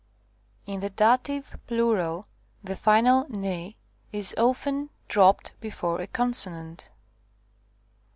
In the dative plural, the final vis often dropped before a consonant.